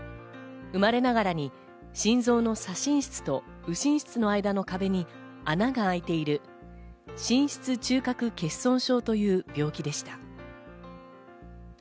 生まれながらに、心臓の左心室と右心室の間の壁に穴があいている心室中隔欠損症という病気でした。